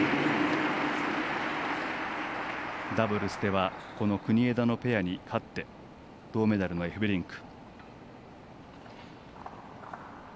ダブルスではこの国枝のペアに勝って銅メダルのエフベリンク。